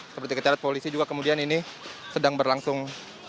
seperti keceret polisi juga kemudian ini sedang berlangsung